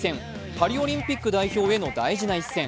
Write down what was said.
パリオリンピック代表への大事な一戦。